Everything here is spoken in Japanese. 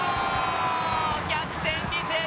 逆転に成功！